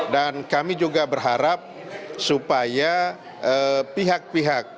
dan kami juga berharap supaya pihak pihak